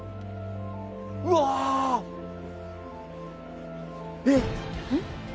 うわ！えっ？